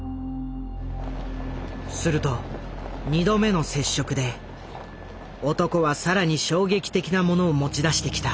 すると２度目の接触で男は更に衝撃的なものを持ち出してきた。